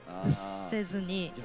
臆せずに。